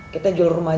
kita jual rumah aja